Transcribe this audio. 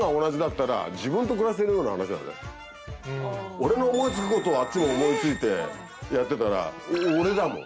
俺の思い付くことをあっちも思い付いてやってたら俺だもん。